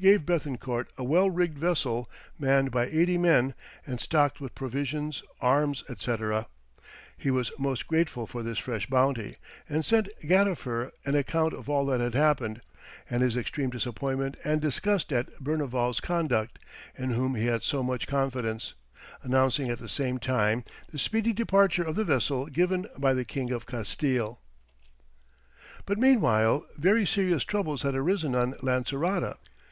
gave Béthencourt a well rigged vessel manned by eighty men, and stocked with provisions, arms, &c. He was most grateful for this fresh bounty, and sent Gadifer an account of all that had happened, and his extreme disappointment and disgust at Berneval's conduct, in whom he had so much confidence, announcing at the same time the speedy departure of the vessel given by the King of Castille. [Illustration: Plan of Jerusalem.] But meanwhile very serious troubles had arisen on Lancerota.